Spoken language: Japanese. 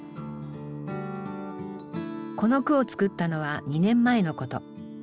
この句を作ったのは２年前のこと。